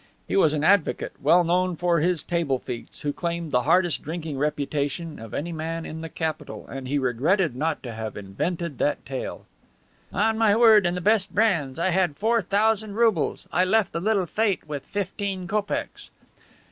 He was an advocate, well known for his table feats, who claimed the hardest drinking reputation of any man in the capital, and he regretted not to have invented that tale. "On my word! And the best brands! I had won four thousand roubles. I left the little fete with fifteen kopecks."